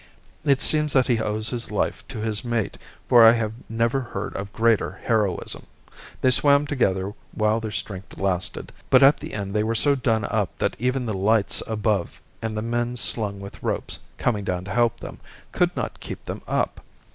It seems that he owes his life to his mate, for I have never heard of greater heroism. They swam together while their strength lasted, but at the end they were so done up that even the lights above, and the men slung with ropes, coming down to help them, could not keep them up.